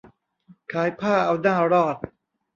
ขายผ้าเอาหน้ารอด